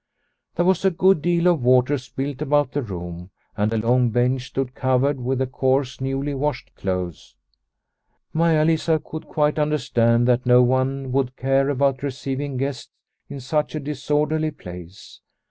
There was a good deal of water spilt about the room, and a long bench stood covered with the coarse newly washed clothes. Maia Lisa could quite under stand that no one would care about receiving guests in such a disorderly place.